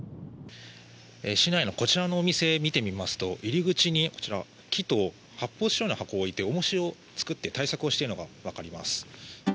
市内のこちらのお店見てみますと入り口に木と発泡スチロールの重しを作って対策をしているのがわかります。